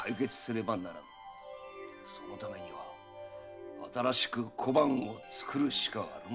そのためには新しく小判を作るしかあるまい。